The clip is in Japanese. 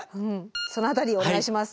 その辺りお願いします。